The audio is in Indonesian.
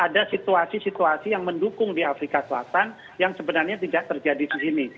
ada situasi situasi yang mendukung di afrika selatan yang sebenarnya tidak terjadi di sini